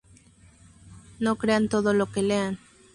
No crean todo lo que lean.